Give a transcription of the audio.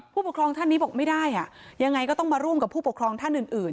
ผู้ปกครองท่านนี้บอกไม่ได้อ่ะยังไงก็ต้องมาร่วมกับผู้ปกครองท่านอื่น